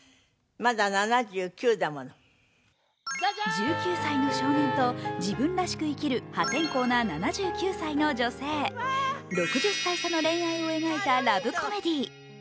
１９歳の少年と自分らしく生きる破天荒な７９歳の女性、６０歳差の恋愛を描いたラブコメディー。